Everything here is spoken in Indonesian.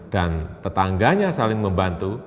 dan tetangganya saling membantu